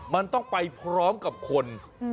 มันต้องไปพร้อมกับคน